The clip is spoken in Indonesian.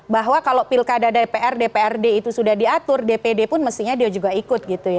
bahwa kalau pilkada dpr dprd itu sudah diatur dpd pun mestinya dia juga ikut gitu ya